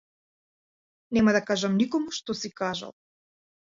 Нема да кажам никому што си кажал.